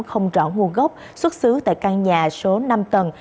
không rõ nguồn gốc xuất xứ tại căn nhà số năm tầng